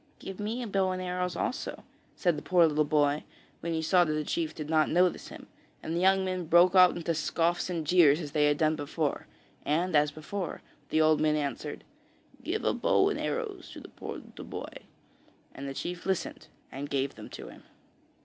'Give me a bow and arrows also,' said the poor little boy, when he saw that the chief did not notice him, and the young men broke out into scoffs and jeers as they had done before; and as before, the old men answered: 'Give a bow and arrows to the poor little boy.' And the chief listened and gave them to him.